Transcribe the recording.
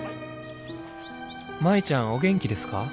「舞ちゃんお元気ですか？